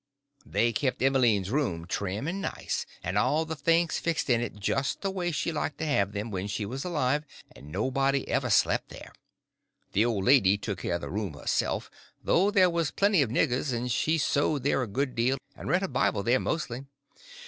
They kept Emmeline's room trim and nice, and all the things fixed in it just the way she liked to have them when she was alive, and nobody ever slept there. The old lady took care of the room herself, though there was plenty of niggers, and she sewed there a good deal and read her Bible there mostly.